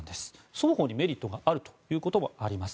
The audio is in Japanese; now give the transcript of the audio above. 双方にメリットがあるということもあります。